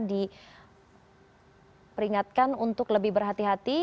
diperingatkan untuk lebih berhati hati